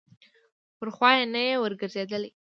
پر خوا یې نه یې ورګرځېدل.